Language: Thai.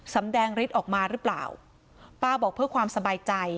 สำแดงฤทธิ์ออกมาหรือเปล่าป้าบอกเพื่อความสบายใจ